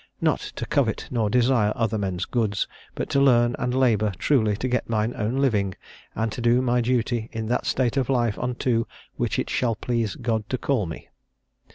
Not to covet nor desire other men's goods; but to learn and labour truly to get mine own living, and to do my duty in that state of life unto which it shall please God to call me."